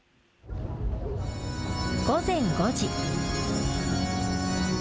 午前５時。